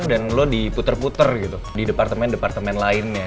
dan lo diputer puter gitu di departemen departemen